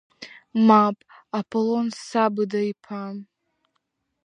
Мап, Аполон Сабыда-иԥа!